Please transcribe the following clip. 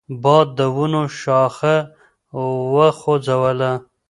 باد د ونو شاخه وخوځوله.